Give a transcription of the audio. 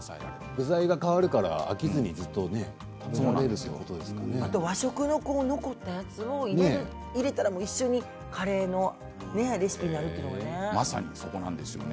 具材が変わるから飽きずに食べられる和食の残ったもの入れたら一緒にカレーのレシピになるんですよね。